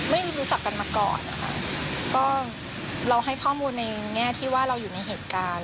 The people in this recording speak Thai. ไม่รู้จักกันมาก่อนนะคะก็เราให้ข้อมูลในแง่ที่ว่าเราอยู่ในเหตุการณ์